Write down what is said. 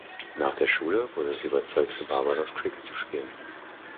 Nach der Schule wurde sie überzeugt für Barbados Cricket zu spielen.